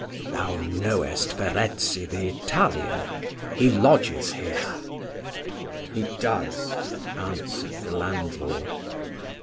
"Thou knowest Verezzi the Italian? he lodges here." "He does," answered the landlord.